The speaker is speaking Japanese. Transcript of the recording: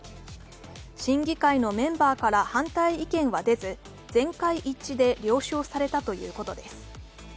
審議会のメンバーから反対意見は出ず、全会一致で了承されたということです。